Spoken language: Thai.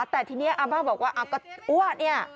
แต่ทีนี้อาม่าบอกว่าอ้าวอ้วนี่